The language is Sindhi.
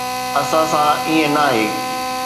اسان سان ائين ناهي.